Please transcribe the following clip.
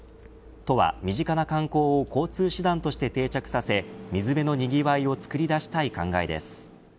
都は身近な観光を交通手段として定着させ水辺のにぎわいを創り出したい考えです。